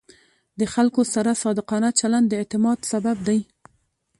د خلکو سره صادقانه چلند د اعتماد سبب دی.